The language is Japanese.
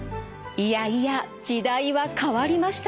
いやいや時代は変わりました。